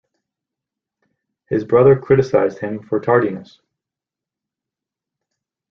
His brother criticized him for tardiness.